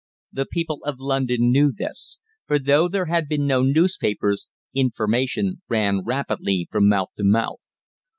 The people of London knew this; for though there had been no newspapers, information ran rapidly from mouth to mouth.